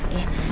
ya mbak rosa